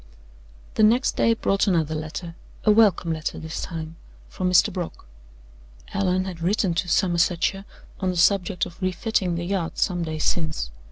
The next day brought another letter a welcome letter this time, from Mr. Brock. Allan had written to Somersetshire on the subject of refitting the yacht some days since.